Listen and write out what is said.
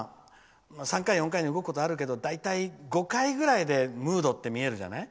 ３回、４回に動くこともあるけど大体５回くらいでムードって見えるじゃない？